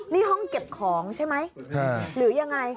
นี่ห้องเก็บของใช่ไหมหรือยังไง